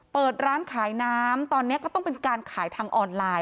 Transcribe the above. เปิดร้านขายน้ำตอนนี้ก็ต้องเป็นการขายทางออนไลน์